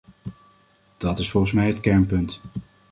Dat is volgens mij het kernpunt.